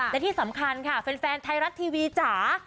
และที่สำคัญค่ะแฟนไทยรัฐทีวีจ๋า